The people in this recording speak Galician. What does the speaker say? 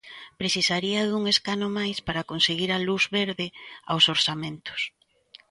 Precisaría dun escano máis para conseguir a luz verde aos orzamentos.